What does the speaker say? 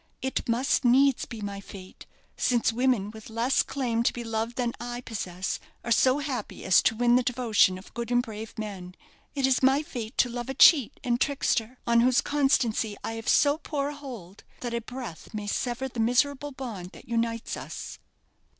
"It must needs be my fate, since women with less claim to be loved than I possess are so happy as to win the devotion of good and brave men. It is my fate to love a cheat and trickster, on whose constancy I have so poor a hold that a breath may sever the miserable bond that unites us."